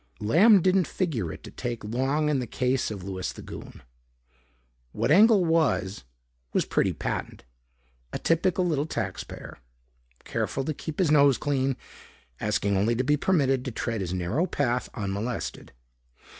Lamb didn't figure it to take long in the case of Louis the Goon. What Engel was was pretty patent. A typical little taxpayer, careful to keep his nose clean, asking only to be permitted to tread his narrow path unmolested.